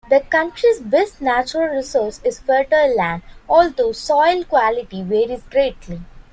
The country's best natural resource is fertile land, although soil quality varies greatly.